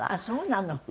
そうなの。